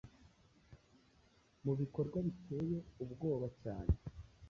Mubikorwa biteye ubwoba cyane